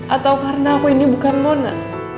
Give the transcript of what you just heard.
atau karena aku ini bukan mona